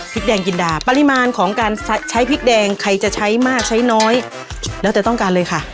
แดงจินดาปริมาณของการใช้พริกแดงใครจะใช้มากใช้น้อยแล้วแต่ต้องการเลยค่ะ